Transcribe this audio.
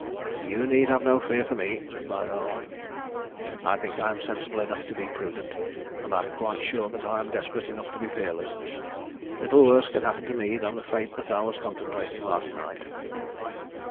"You need have no fear for me," replied Arnold. "I think I am sensible enough to be prudent, and I am quite sure that I am desperate enough to be fearless. Little worse can happen to me than the fate that I was contemplating last night."